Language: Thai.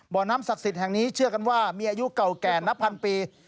บ่อน้ำศักดิ์สิทธิ์แห่งนี้เชื่อกันว่ามีอายุเก่าแก่นับพันปี